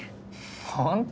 本当？